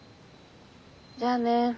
じゃあね。